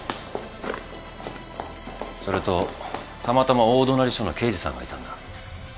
それとたまたま大隣署の刑事さんがいたんだ。